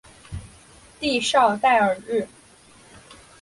蒂绍代尔日。